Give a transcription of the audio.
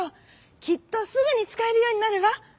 きっとすぐにつかえるようになるわ。